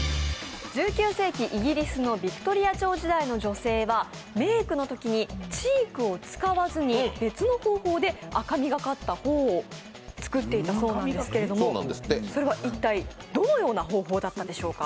１９世紀、イギリスのヴィクトリア朝時代の女性はメークのときにチークを使わずに別の方法で赤みがかった頬を作っていたそうなんですけれども、それは一体どのような方法だったんでしょうか。